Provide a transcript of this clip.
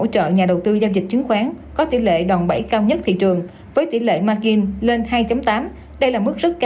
trong mục kinh tế phương nam